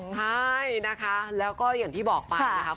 ใช่นะคะแล้วก็อย่างที่บอกไปนะคะ